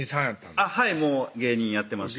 はいもう芸人やってました